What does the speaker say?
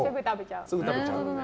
すぐ食べちゃう。